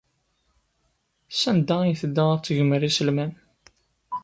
Sanda ay tedda ad tegmer iselman?